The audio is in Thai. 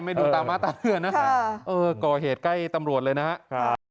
ไม่ดูตาม้าตาเรือนะฮะค่ะเออก่อเหตุใกล้ตำรวจเลยนะฮะค่ะ